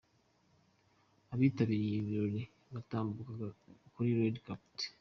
Abitabiriye ibi birori batambukaga kuri Red Carpet.